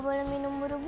hal ini memang